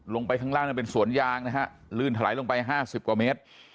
ลงไปข้างล่างนั้นเป็นสวนยางนะฮะลื่นถลายลงไป๕๐กว่าเมตร